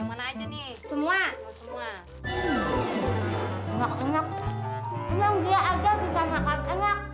kau sengket kau sengket